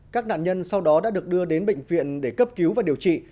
các nạn nhân sau đó đã được đưa đến bệnh viện để cấp cứu và điều trị